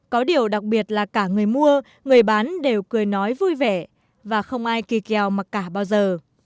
có điều đặc biệt là cả người mua người bán đều cười nói vui vẻ và không ai kỳ kèo mặc cả bao giờ